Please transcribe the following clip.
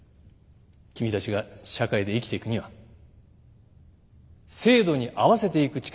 君たちが社会で生きていくには制度に合わせていく力が必要です。